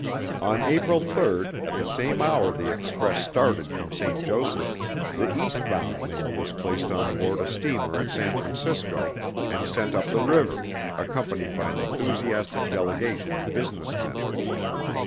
On April 3rd, at the same hour the express started from St. Joseph, the eastbound mail was placed on board a steamer at San Francisco and sent up the river, accompanied by an enthusiastic delegation of business men.